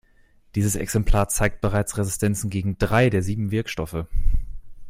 Dieses Exemplar zeigt bereits Resistenzen gegen drei der sieben Wirkstoffe.